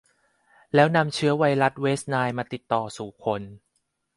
แล้วนำเชื้อไวรัสเวสต์ไนล์มาติดต่อสู่คน